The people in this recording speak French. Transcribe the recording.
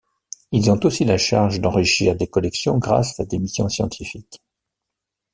Ils ont aussi la charge d’enrichir les collections grâce à des missions scientifiques.